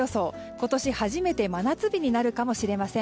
今年初めて真夏日になるかもしれません。